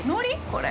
これ？